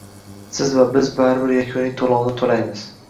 Siz va biz baribir yakuniy to'lovni to'laymiz